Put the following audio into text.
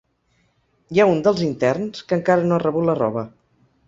Hi ha un dels interns que encara no ha rebut la roba.